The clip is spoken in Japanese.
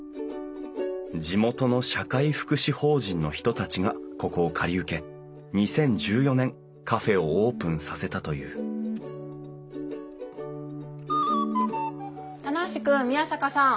地元の社会福祉法人の人たちがここを借り受け２０１４年カフェをオープンさせたという棚橋君宮坂さん